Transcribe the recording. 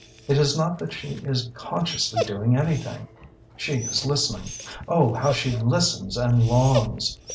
It is not that she is consciously doing anything. She is listening oh how she listens and longs!